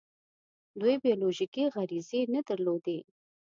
دوی بیولوژیکي غریزې نه درلودې.